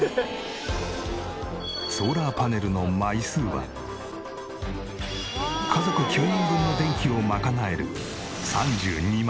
ソーラーパネルの枚数は家族９人分の電気を賄える。